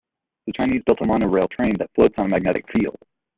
The Chinese built a monorail train that floats on a magnetic field.